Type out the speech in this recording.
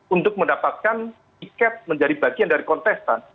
untuk mendapatkan tiket menjadi bagian dari kontestan